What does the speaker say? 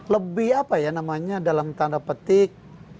lebih apa ya namanya dalam tanda petik